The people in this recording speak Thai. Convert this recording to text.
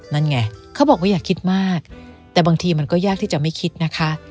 นั่นไงเขาบอกว่าอย่าคิดมากแต่บางทีมันก็ยากที่จะไม่คิดนะคะ